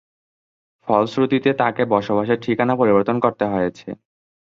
ফলশ্রুতিতে তাকে বসবাসের ঠিকানা পরিবর্তন করতে হয়েছে।